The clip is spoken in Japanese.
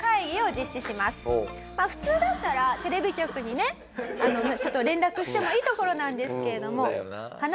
まあ普通だったらテレビ局にねちょっと連絡してもいいところなんですけれども。